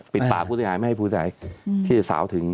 ปิดปากผู้เสียหายไม่ให้ผู้ชายที่จะสาวถึง